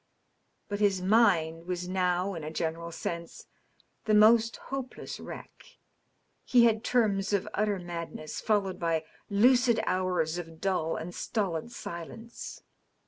But his mind was now, in a general sense, the most hopeless wreck. He had terms of utter madness, followed by lucid hours of dull and stolid silence.